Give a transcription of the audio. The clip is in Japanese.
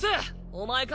お前か？